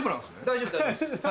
大丈夫です大丈夫です。